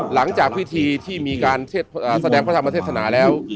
หลังจากพิธีที่มีการแสดงพระธรรมเทศนาแล้ว